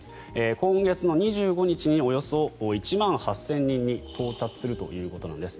今月２５日におよそ１万８０００人に到達するということなんです。